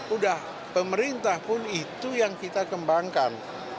udah pemerintah pun itu yang kita kembangkan